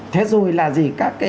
thế rồi là gì